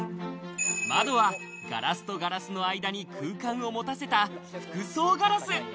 窓はガラスとガラスの間に空間を持たせた複層ガラス。